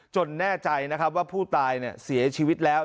แน่ใจนะครับว่าผู้ตายเสียชีวิตแล้ว